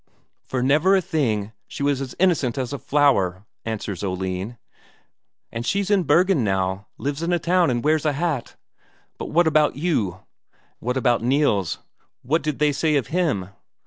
"For never a thing. She was as innocent as a flower," answers Oline. "And she's in Bergen now; lives in a town and wears a hat but what about you?" "What about Nils what did they say of him?"